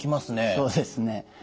そうですね。